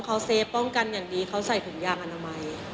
เขาเซฟป้องกันอย่างดีเขาใส่ถุงยางอนามัย